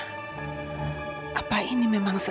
nggak sepertimuah perwhul